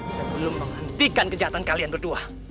sebelum menghentikan kejahatan kalian berdua